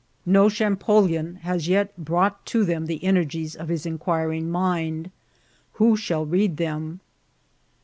No Champollion has yet thought to them the energies of his inquiring mind. Who shall read them